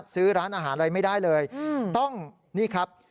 ซื้อร้านอาหารอะไรไม่ได้เลยต้องนี่ครับ